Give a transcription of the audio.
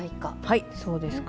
はいそうです。